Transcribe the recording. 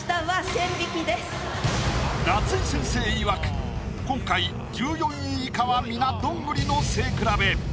夏井先生いわく今回１４位以下は皆どんぐりの背比べ。